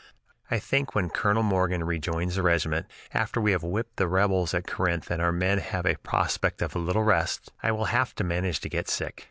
"I think when Colonel Morgan rejoins the regiment, after we have whipped the rebels at Corinth and our men have a prospect of a little rest, I will have to manage to get sick!